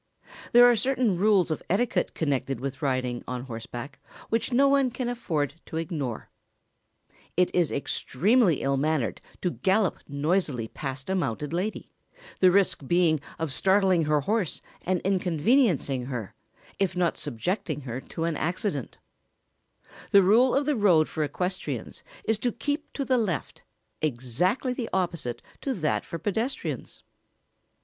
There are certain rules of etiquette connected with riding on horseback, which no one can afford to ignore. It is extremely ill mannered to gallop noisily past a mounted lady, the risk being of startling her horse and inconveniencing her, if not subjecting her to an accident. [Sidenote: The rule of the road for equestrians.] The rule of the road for equestrians is to keep to the left, exactly the opposite to that for pedestrians.